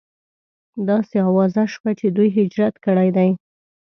داسې اوازه شوه چې دوی هجرت کړی دی.